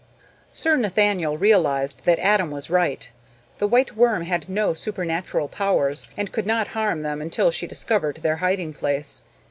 Sir Nathaniel realised that Adam was right; the White Worm had no supernatural powers and could not harm them until she discovered their hiding place.